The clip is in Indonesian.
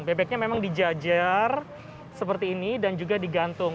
bebeknya memang dijajar seperti ini dan juga digantung